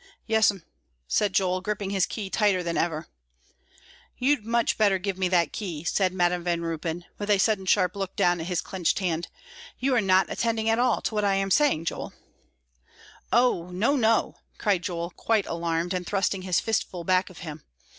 "Yes'm," said Joel, gripping his key tighter than ever. "You'd much better give me that key," said Madam Van Ruypen, with a sudden sharp look down at his clenched hand; "you are not attending at all to what I am saying, Joel." "Oh, no, no," cried Joel, quite alarmed, and thrusting his fistful back of him.